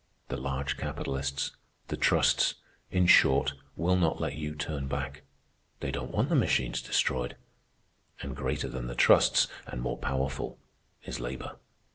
The large capitalists, the trusts, in short, will not let you turn back. They don't want the machines destroyed. And greater than the trusts, and more powerful, is labor.